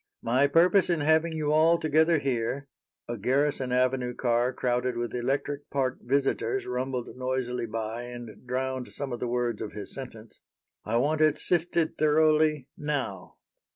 My purpose in having you all together here" A Garrison avenue car crowded with Electric Park visitors rumbled noisily by and drowned some of the words of his sentence. "I want it sifted thoroughly now."